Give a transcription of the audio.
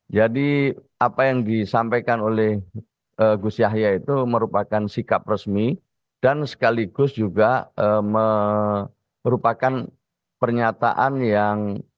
jadi apa yang disampaikan oleh gus yahya itu merupakan sikap resmi dan sekaligus juga merupakan pernyataan yang